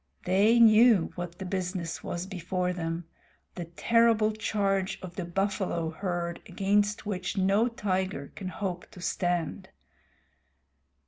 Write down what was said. They knew what the business was before them the terrible charge of the buffalo herd against which no tiger can hope to stand.